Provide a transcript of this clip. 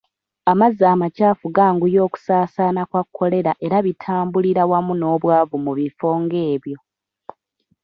Amazzi amakyafu ganguya okusaasaana kwa kolera era bitambulira wamu n'obwavu mu bifo ng'ebyo